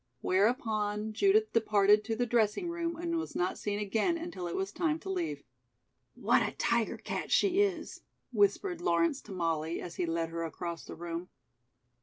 Whereupon, Judith departed to the dressing room and was not seen again until it was time to leave. "What a tiger cat she is!" whispered Lawrence to Molly, as he led her across the room.